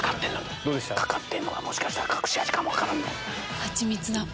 かかってんのがもしかしたら隠し味かも分からんで。